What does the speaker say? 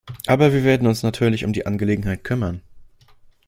Aber wir werden uns natürlich um die Angelegenheit kümmern.